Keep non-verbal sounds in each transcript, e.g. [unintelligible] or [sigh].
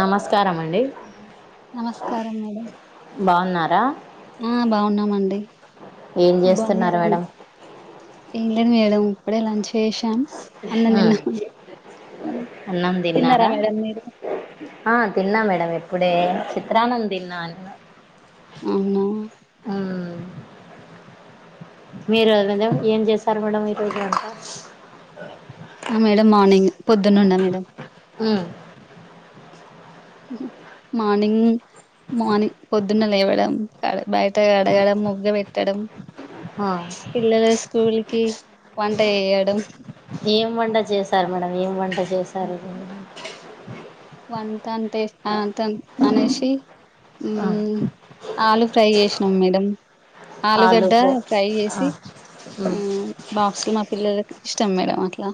నమస్కారము అండి నమస్కారం మేడం బాగున్నారా ఆ బాగున్నామండి ఏం చేస్తున్నారు బాగున్నారండి మేడం ఏం లేదు మేడం ఇప్పుడే లంచ్ చేసాం అన్నం తిన్న ఉమ్ అన్నం తిన్నరా తిన్నారా మేడం మీరు ఆ తిన్నాము మేడం ఇప్పుడే చిత్రాన్నాము తిన్నాను అవునా ఆ మీ రోజు మీరు ఏం చేసరు మేడం ఈ రోజు అంత హా మేడం మార్నింగ్ పొద్దున్న ఉన్నా మేడం ఆ మార్నింగ్ మార్నింగ్ పొద్దున్న లేవడం బయట కాడగడం ముగ్గు పెట్టడం ఆ పిల్లలు స్కూల్కి వంట చేయడం ఏం వంట చేశారు. మేడం ఏం వంట చేసారు. వంటా అంటె అంత అనేసి ఆ ఆలు ఫ్రై చేసినాం మేడం ఆలుగడ్డ ఫ్రై ఆ చేసి ఉమ్ బాక్స్లు మా పిల్లలకి ఇష్టం మేడం అట్లా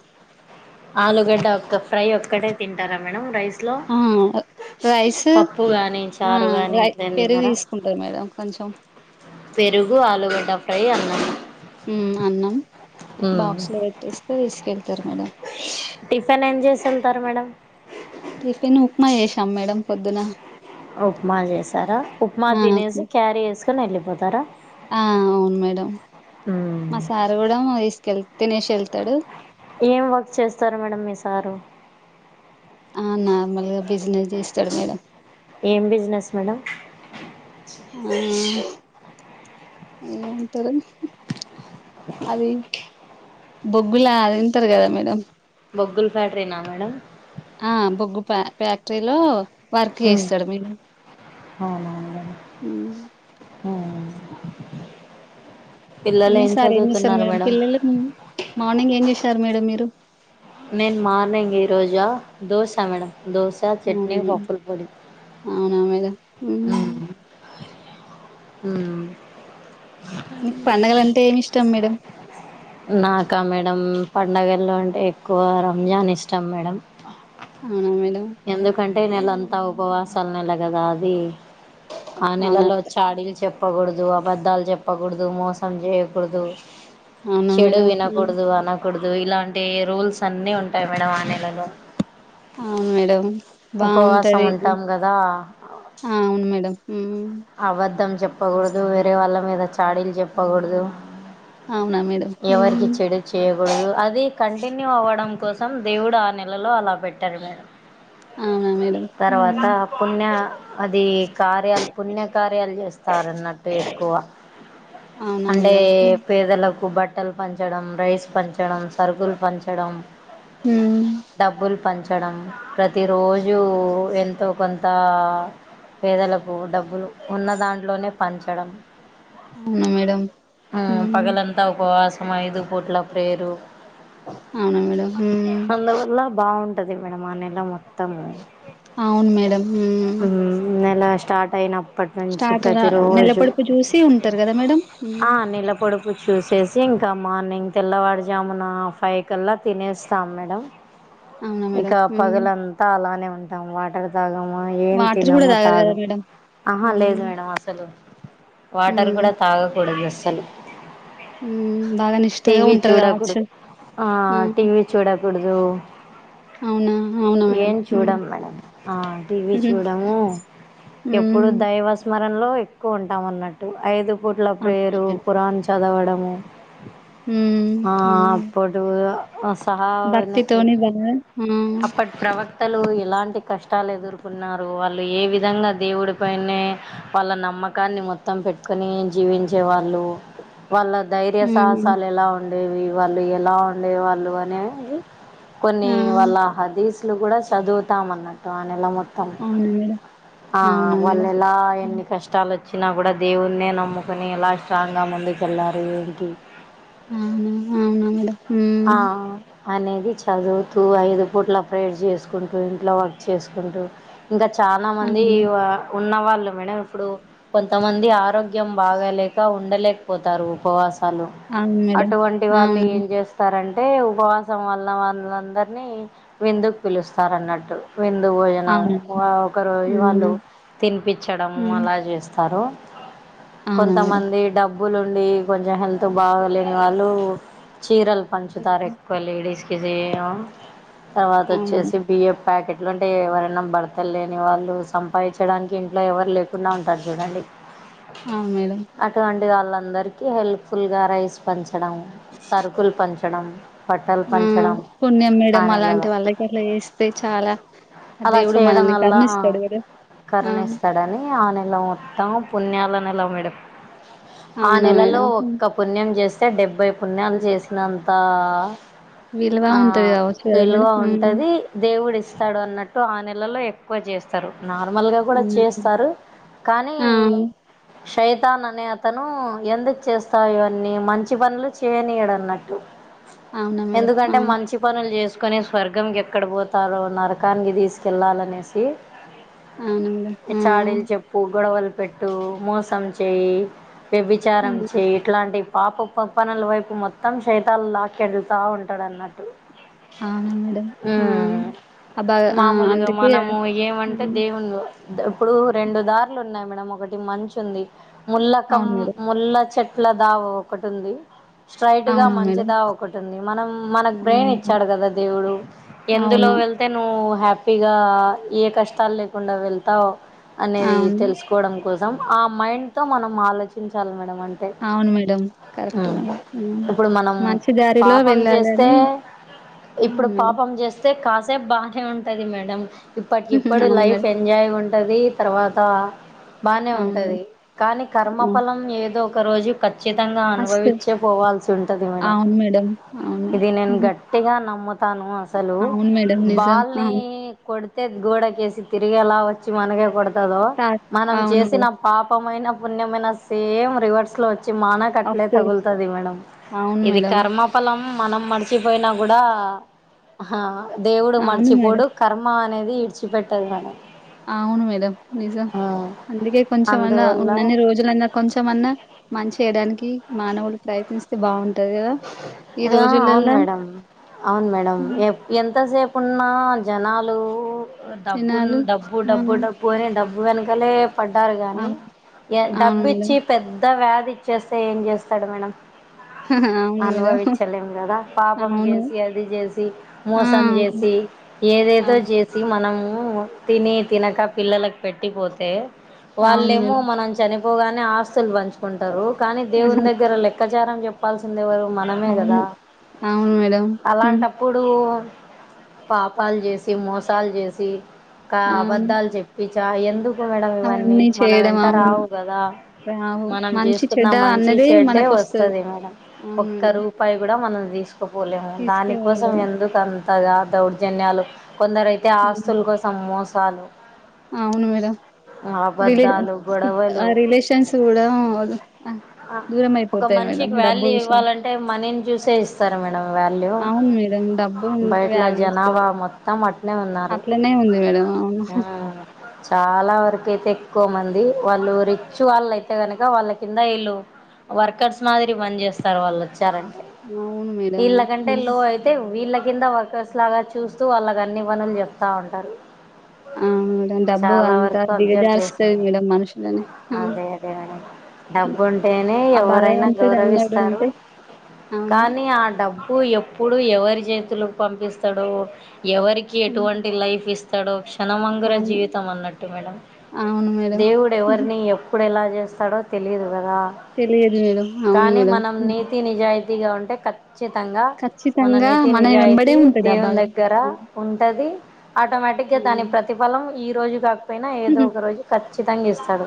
ఆలుగడ్డ ఒక ఫ్రై ఒక్కటే తింటారా మేడం రైస్లో ఆ రైస్ పప్పు గాని ఆ చారు కాని రై ఇట్లా ఏం పెరుగు తిన్నారా తీసుకుంటారు మేడం కొంచెం పెరుగు ఆలుగడ్డ ఫ్రై అన్నము హ్ అన్నం బాక్స్ లో పెట్టిస్తే తీసుకెళ్తారు మేడం టిఫిన్ ఏం చేసి ఉంటారు మేడం టిఫెన్ ఉప్మా చేసాం మేడం పొద్దున ఉప్మా చేశారా ఉప్మా ఆ తినేసి క్యారీ చేసుకోని వెళ్ళిపోతారా ఆ అవును మేడం మ్మ్. మా సారు కూడా తీసుకెల్లి తినేసి వెళ్తాడు ఏం వర్క్ చేస్తారు మేడం మీ సారు ఆ నార్మల్గా బిజినెస్ చేస్తాడు మేడం ఏం బిజినెస్ మేడం ఆ ఏం ఉంటాది అ... అది బొగ్గులా ఉంటది కదా మేడము బొగ్గుల ఫ్యాక్టరీనా మేడం ఆ బొగ్గు ఫ ఫ్యాక్టరీలో వర్క్ చేస్తాడు మీ హ్ ఆ అవును మీ సార్ ఏం చేస్తారు మేడం పిల్లలు మార్నింగ్ ఏం చేశారు మేడం మీరు నేను మార్నింగ్ ఈరోజ దోశ మేడం దోశ చట్నీ అవును పప్పుల మేడం పొడి అవునా మేడం హ్ హ్ మీకు పండగల అంటే ఏమి ఇష్టం మేడం నాకా మేడం పండగల్లో అంటే ఎక్కువ రంజాన్ ఇష్టం మేడం అవునా మేడం ఎందుకంటే నెలంతా ఉపవాసాలు నెల కదా అది ఆ అవునా నెలలో చాడీలు చెప్పకూడదు అబద్ధాలు చెప్పకూడదు మోసం చేయకూడదు అవునా చెడు మేడం వినకూడదు అనకూడదు ఇలాంటి రూల్స్ అన్ని ఉంటాయి మేడం ఆ నెలలో అవును మేడం ఉపవాసం ఉంటాం కదా. ఆ అవును మేడం ఉం అబద్ధం చెప్పకూడదు వేరే వాళ్ళ మీద చాడీలు చెప్పకూడదు అవునా మేడం ఎవరికి చెడు చేయకూడదు అది కంటిన్యూ అవ్వడం కోసం దేవుడు ఆ నెలలో అలా పెట్టారు మేడం అవునా మేడం తర్వాత పుణ్య అది కా పుణ్యకార్యాలు చేస్తారన్నట్టు ఎక్కువ అవునా అంటే మేడం పేదలకు బట్ బట్టలు పంచడం, రైస్ పంచడం, సరుకులు పంచడం, అవునా డబ్బులు పంచ డం ప్రతిరోజు ఎంతో కొంత పేదలకు డబ్బు లు ఉన్న దాంట్లోనే పంచడం అవునా మేడం పగలంతా ఉపవాసం ఐదు పూట్ల ప్రేయర్ అవునా మేడం అందువల్ల బాగుంటది మేడం ఆ నెలా మొ తము అవును మేడం ఉం నెల స్టార్ట్ అయినప్పటి నుంచి స్టార్టర్ ప్రతి రోజు నెలపడుపు చూసి ఉంటారు కదా మేడం ఆ నెల పొడుపూ చూసేసి ఇంకా మార్నింగ్ తెల్లవారుజామున ఫైవ్ కల్లా తినేస్తాం మేడం అవునా ఇక మేడం మ్మ్ పగలంతా త్త అలానే ఉంటాము వాటర్ తాగము ఏం వాటర్ కూడా తినము తాగరు కదా తాగం మేడం ఆహా లేదు మ్మ్ మేడం అసలు వాటర్ మ్మ్ కూడా తాగకూడదు అస్సలు మ్మ్ బాగా నిష్టగా టీవి ఉంటారు కావచ్చు చూడకూడదు, ఆ మ్మ్ టీవి చూడకూడదు అవునా అవునా మేడం ఏం మ్మ్ చూడం మేడం ఆ టీవీ మ్మ్ చూడము ఎప్పుడు మ్మ్ దైవ స్మరణ లో ఎక్కువ ఉంటాం అన్నట్టు ఐదు పూట్ల అవునా ప్రేయరు మేడం ఖురాన్ చదవడము మ్మ్ ఆ అవునా మేడం అప్పుడు సహా భక్తితోని [unintelligible] బాగా ఆ అప్పటి ప్రవక్తలు ఎలాంటి కష్టాలు ఎదుర్కొన్నారు వాళ్ళు ఏ విధంగా దేవుడి పైనే వాళ్ళ నమ్మకాన్ని మొత్తం పెట్టుకొని జీవించేవాళ్ళు వాళ్ళ ధైర్య మ్మ్ సాహసాలు ఎలా ఉండేవి వాళ్ళు ఎలా ఉండేవాళ్ళు అనేవి కొన్ని ఆ వాళ్ళ హదీసులు కూడా చదువుతాం అన్నట్టు ఆ నెల మొత్తం అవునా మేడం ఆ అవునా మేడం వాళ్ళెలా హ్మ్. ఎన్ని కష్ కష్టాలు వచ్చినా కూడా దేవుణే నమ్ముకొని ఎలా స్ట్రాంగ్గా ముందుకెళ్ళారు ఏంటి అవునా అవునా మేడం ఉం ఆ అనేది చదువుతూ ఐదు పూట్ల ప్రేయర్ చేసుకుంటూ ఇంట్లో వర్క్ చేసుకుంటూ ఇంకా చానా మంది అవును ఉన్నవాళ్ళు మేడం ఇప్పుడు కొంతమంది ఆరోగ్యం బాగాలేక ఉండలేకపోతారు ఉపవాసం అలు అవును మేడం అటువంటి వాళ్ళు అవును ఏం చేస్త రంటే ఉపవాసం వల్ల వాళ్ళందరినీ విందుకు పిలుస్తారన్నట్టు విందు భోజనం అవునా మేడం ఒక రోజు అవునా వాళ్ళు తినిపించడము అలా చేస్ స్తారు ఆ అవునా మేడం కొంతమంది డబ్బు లుండి కొంచెం హెల్త్ బాగాలేని వాళ్ళు చీరలు పంచుతారు హ్మ్. ఎ లేడీస్ కి చేం తర్వాత అవునా మేడం? వచ్చేసి బియ ప్యాకెట్లు అంటే ఎవరైనా బర్త్తలు లేని వాళ్ళు సంపాదించడానికి ఇంట్లో ఎవరు లేకుండా ఉంటారు చూడండి ఆ మేడం అటువంటి వాళ్ళందరికీ హెల్ప్ఫుల్గా రైస్ పెంచడం సరుకులు పంచడం బట్టలు ఆ పంచడం పుణ్యం ఆ మేడం నెలలో అలాంటి వాళ్ళకి అట్లా చేస్తే చాలా అ దేవుడు మనల్ని కరూనిస్తాడు గద కరుణ ఇస్తాడని ఆ నెల మొత్తం పుణ్యాల నెల మేడం ఆ అవునా నెలలో మేడం హ్మ్. ఒక్క పుణ్యం చేస్తే డెబ్బై పుణ్యాలు చేసినంత విలువ ఆ ఉంటది కావచ్చు కదా విలువ మేడం హ్మ్. ఉంటది దేవుడు ఇస్తాడు అన్నట్టు ఆ నెలలో ఎ ఎక్కువ చేస్తారు నార్మల్గా కూడా చేస్తారు కానీ అవునా సైతాన్ అనే అతను ఎందుకు చేస్తా ఇవన్నీ మంచి పనులు చేయనీయడు అన్నట్టు మేడం? ఆ ఎందుకంటే మంచి పనులు చేసుకొని స్వర్గంకి ఎక్కడ పోతారో నరకానికి తీసుకెళ్ళాలనేసి అవునా మేడం ఆ అవునా మేడం ఆ చాడీలు చెప్పు గొడవలు పెట్టు మోసం చేయి వ్యభిచారం అవును. చే ఇట్లాంటి పాప పనుల వైపు మొత్తం తల్ లాకెళతా ఉంటాడు అన్నట్టు అవునా మేడం ఆ అ బాగా ఆ మామూలుగా అందుకే మనము ఏమంటే హ్మ్. దేవుడు ఇప్పుడు రెండు దార్లు ఉన్నాయి మేడం ఒకటి మంచు ఉంది ముల్ల కం అవును మేడం ముల్ల చెట్ ఇట్ల దావ ఒకటి ఉంది స్ట్రైట్ గా అవును మంచి మేడం మంచిదా ఒకటి ఉంది మనం మనకు బ్రెయిన్ హ్మ్. ఇచ్చాడు కదా దేవుడు ఎందులో అవును వెళ్ అతే నువ్వు హ్యాపీగా ఏ కష్టాలు లేకుండా వెళ్తావు అనేది అవును తెలుసుకోవడం కోసం ఆ మైండ్ తో మనం ఆలోచించాలి మేడం అంటే అవును మేడం కరెక్ట్ ఉమ్ మే ఇప్పుడు మనం మంచి చ్చ దారిలో పాపం చేస్తే వెళ్ళాలని ఇప్పుడు అవును మేడం పాపం చేస్తే కాసేపు బానే ఉంటది మేడం ఇప్పటికి హుహు. ఇప్పుడు అవును లైఫ్ మేడం. ఎంజాయ్గా ఉంటది తర్వాత బానే అవును ఉంటది మేడం. కానీ అవును. కర్మఫలం ఏదో ఒక రోజు ఖచ్చితంగా అస్సలు అనుభవించే పోవాల్సి ఉంటుంది మేడం అవును మేడం అవును ఇది నేను హుహు. గట్టిగా నమ్ముతాను అసలు అవును మేడం. నిజం. బాల్ని అవును. కొడితే గోడకేసి తిరిగిలా వచ్చి మనకే కొడతదో తా మనం అవును చేసిన మేడం. పాపమైన పుణ్యమైన సేమ్ రివర్స్ లో వచ్చి మానకే అట్టలే అఫ్కోర్స్. తగులుతది మేడం అవును ఇది మేడం. కర్మఫలం మనం మర్చిపోయినా కూడా ఆ దేవుడు అవును మర్చిపోడు మేడం. కర్మ అనేది విడిచిపెట్టదు మేడం అవును మేడం నిజం ఆ, అందుకే కొంచెం అన్నా అందువల్ల ఉన్నన్ని రోజులన్నా కొంచమన్నా మంచి చేయడానికి మానవులు ప్రయత్నిస్తే బాగుంటది కదా అ అవును మేడం అవును మేడం హ్మ్. ఎ ఎంతసేపు ఉన్నా జనాలు డబ్బు జనాలు డబ్బు ఆ! డబ్బు డబ్బు పోని డబ్బు వెనకలే పడ్డారు కాని అవును. అవును డబ్బు మేడం. ఇచ్చి పెద్ద వ్యాధి ఇచ్చేస్తే ఏం చేస్తాడు మేడం అవును మేడం. అనుభవించలేము కదా పాపం అవును. జేసి అది జేసి ఆ! మోసం అవును. చేసి ఏదైద అవును. చేసి మనము తిని తినక పిల్లలకు పెట్టిపోతే అవును వాళ్ళేమో మేడం మనం చనిపోగానే ఆస్తులు పంచుకుంటరు కానీ దేవుని ఆహా! దగ్గర లెక్కచారం చెప్పాల్స్ కుంది ఎవరు మనమే కదా అవును అవును మేడం హ్మ్ అలాంటప్ అప్పుడు పాపాలు జేసి మోసాలు జేసి కా అవును అబద్ధాలు చెప్ పిచా ఎందుకు మేడం ఇవన్నీ అవన్నీ మన చేయడం వెంట అవును రావు కదా రావు మనం మంచి జేసుకున్న చెడ్డ మంచి అన్నది చెడ్డే మనకొస్తది వస్తది మేడం అవును ఒక్క మేడం రూపాయి కూడా మనం తీసుకపోలేము దానికోసం తీసుకెళ్ళాలి ఎందుకు సంతగా దౌర్జన్యాలు కొందరు అయితే అవును ఆస్తుల కోసం మోసాలు అవును మేడం విలే అబద్ధాలు గొడవలు అ రిలేషన్స్ గుడా ఒక మనిషికి వాల్యూ ఇవ్వాలంటే మనీని జుసే ఇస్తారు మేడం వాల్యూ అవును మేడం డబ్బు ఉంటే బయటల వాల్యూ జనాభా ఇస్తారు మొత్తం అట్నే ఉన్నారు అట్లనే ఉంది మేడం అవును ఉ చాలా వరకు అయితే ఎక్కువ మంది వాళ్ళు రిచ్ వాళ్ళు అయితే కనుక వాళ్ళ కింద ఇళు వర్కర్స్ మాదిరి పని చేస్తారు వాళ్ళు వచ్చారంటే అవును మేడం వీళ్ళ కంటే హ్మ్. లో అయి అయితే వీళ్ళ కింద వర్కర్స్ లాగా చూస్తూ వాళ్ళకి అన్ని పనులు చెప్తా ఉంటారు ఆ డబ్బు చాలా అంత వరకు అబ్జర్వ్ దిగజారుస్తాది చేశాను మేడం మనుషులని ఆ అదే అదే మేడం డబ్బు ఉంటేనే ఎవరైనా భగవంతుడు గౌరవిస్తారు అన్నాడుంటే అవును కానీ ఆ డబ్ అప్పు ఎప్పుడు ఎవరి జేతులకు పంపిస్తడో ఎవరికి ఎటువంటి లైఫ్ ఇస్ అతడు క్షణమంగుర అవును జీవితం అన్నట్టు మేడం అవును మేడం దేవుడు ఎవరిని ఎ ఇప్పుడు ఎలా చేస్తాడో తెలియదు గదా తెలియదు మేడం అవును మేడం తీ నిజాయితీగా ఉంటే కత్ చ్చితంగా మన ఖచ్చితంగా నీతి వెంబడే నిజాయితీ ఉంటాడు ఆ దేవుని బాగా దగ్గర ఉంటది ఆటోమేటిక్గా దాని ప్రతిఫలం ఈ రోజు కాకపోయినా ఏదో ఒక రోజు ఖచ్ చితంగిస్తడు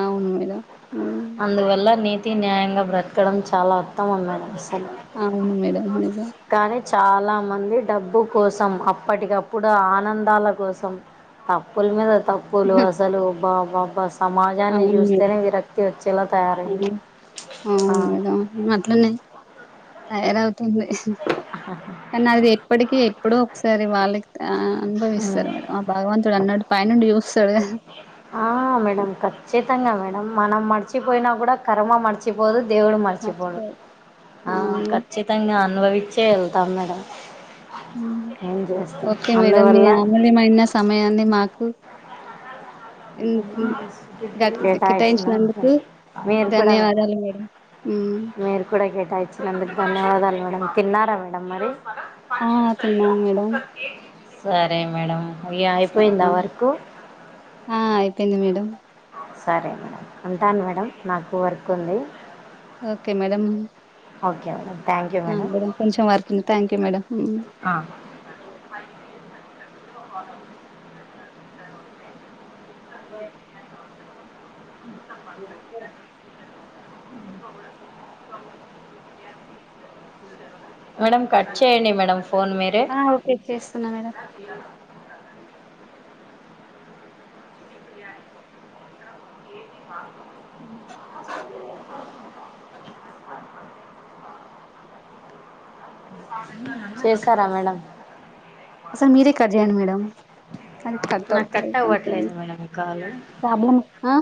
అవును మేడం ఉమ్ అందువల్ల నీతి న్యాయంగా బ్రతకడం చాలా ఉత్తమమం మేడం అసలు అవును మేడం నిజం కానీ చాలా మంది డబ్బు కోసం అప్పటికప్పుడు ఆనందాల కోసం తప్పులు మిద తప్ పులు అసలు బాబాబా సమాజాన్ని అవును మేడం చూస్తేనే విరక్తి వచ్చేలా తయారైంది అవును ఆ అవును మేడం అట్లనే తయారవుతుంది కానీ అది ఎప్పటికి ఎప్పుడు ఒకసారి వాళ్ళకి ఉమ్ అనుభవిస్తారు మేడం ఆ భగవంతుడు అన్నడు పైనుండి చూస్తడుగా ఆ మేడం ఖచ్చితంగా మేడం మనం మర్చిపోయినా కూడా కర్మా మర్చి పోదు దేవుడు మరిచిపోడు మర్చిపోయి ఆ అవును మేడం. ఖచ్చితంగా అనుభవించే వెళ్తాం మేడం ఏం చేస్తాం ఓకే మేడం మీ అందువల్ల అమూల్యమైన సమయాన్ని మాకు కేటాయించినందుకు మీరు కూడా ధన్యవాదాలు మేడం హ్మ్ మీరు కూడా కేటాయించినందుకు ధన్యవాదాలు మేడం తిన్నారా మేడం మరి ఆ తిన్నాం మేడం సరే మేడం ఇ అయిపోయింద సరే వర్కు ఆ అయిపోయింది మేడం సరే మేడం ఉంటాను మేడం నాకు వర్క్ ఉంది ఓకే మేడం ఓకే అండి ఆ మేడం కొంచెం వర్క్ ఉంది థ్యాంక్యూ మేడం అ అ మాట్లాడు మేడం కట్ చేయండి. మేడం ఫోన్ మీరె కట్ చేస్తున్నా మేడం ఆ చేస్తరా మేడం అసలు మీరే కట్ చేయండి. మేడం అది కట్ నాకు అవుతలేదు కొంచెం అవ్వట్లేదు మేడం కాలు ప్రాబ్లమ్ అ